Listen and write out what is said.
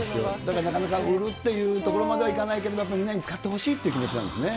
だからなかなか売るというところまではいかないけれども、やっぱりみんなに使ってほしいという気持ちなんですね。